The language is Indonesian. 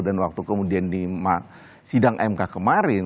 dan waktu kemudian di sidang mk kemarin